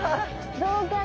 どうかな？